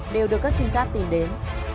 đều được các trinh sát tìm đến